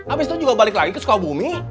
abis itu juga balik lagi ke sukabumi